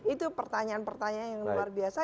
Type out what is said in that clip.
itu pertanyaan pertanyaan yang luar biasa